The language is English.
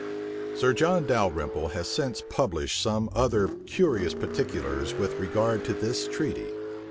Sir John Dalrymple has since published some other curious particulars with regard to this treaty.